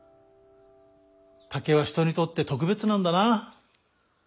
竹は人にとってとくべつなんだな。